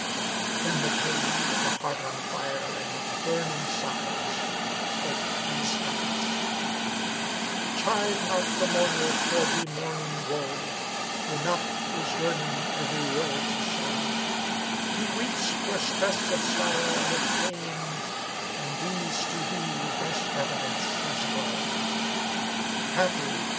Then the King with a heart on fire and with burning sighs spake these couplets, "Chide not the mourner for bemourning woe; * Enough is yearning every Ill to show: He weeps for stress of sorrow and of pain, * And these to thee best evidence his lowe: Happy!